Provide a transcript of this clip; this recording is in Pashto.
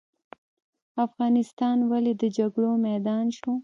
افغانستان ولې د جګړو میدان شو؟